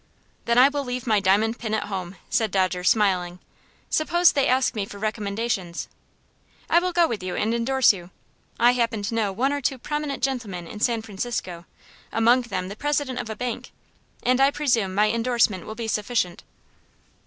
"Then I will leave my diamond pin at home," said Dodger, smiling. "Suppose they ask me for recommendations?" "I will go with you and indorse you. I happen to know one or two prominent gentlemen in San Francisco among them the president of a bank and I presume my indorsement will be sufficient."